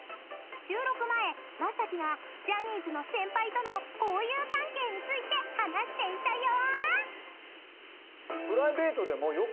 ［収録前雅紀がジャニーズの先輩との交友関係について話していたよ］